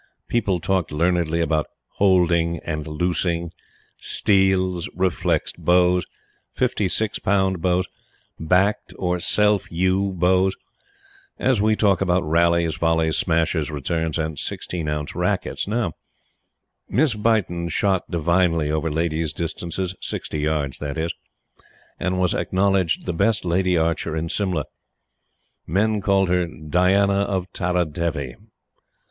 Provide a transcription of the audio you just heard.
People talked learnedly about "holding" and "loosing," "steles," "reflexed bows," "56 pound bows," "backed" or "self yew bows," as we talk about "rallies," "volleys," "smashes," "returns," and "16 ounce rackets." Miss Beighton shot divinely over ladies' distance 60 yards, that is and was acknowledged the best lady archer in Simla. Men called her "Diana of Tara Devi."